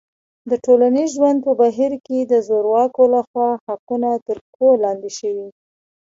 د ټولنیز ژوند په بهیر کې د زورواکو لخوا حقونه تر پښو لاندې شوي.